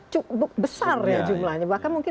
cukup besar ya jumlahnya bahkan mungkin